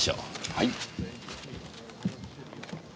はい。